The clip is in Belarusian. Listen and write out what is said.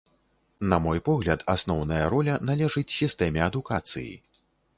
На мой погляд, асноўная роля належыць сістэме адукацыі.